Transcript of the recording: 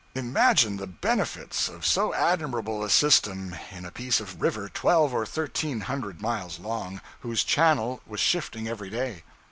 Imagine the benefits of so admirable a system in a piece of river twelve or thirteen hundred miles long, whose channel was shifting every day!